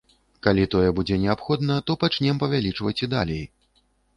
Калі тое будзе неабходна, то пачнём павялічваць і далей.